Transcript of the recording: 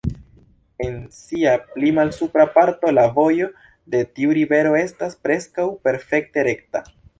En sia pli malsupra parto la vojo de tiu rivero estas preskaŭ perfekte rekta.